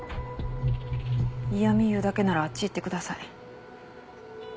嫌み言うだけならあっち行ってください。